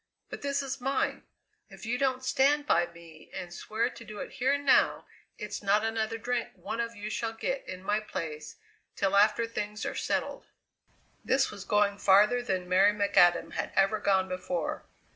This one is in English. But this is mine! If you don't stand by me and swear to do it here and now, it's not another drink one of you shall get in my place till after things are settled." This was going farther than Mary McAdam had ever gone before.